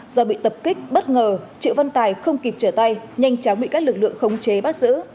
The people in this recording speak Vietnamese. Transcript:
do bị tập kích bất ngờ triệu văn tài không kịp trở tay nhanh chóng bị các lực lượng khống chế bắt giữ